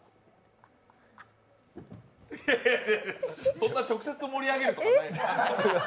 そんな直接盛り上げるとかない。